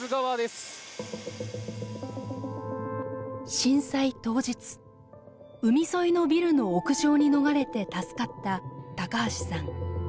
震災当日海沿いのビルの屋上に逃れて助かった橋さん。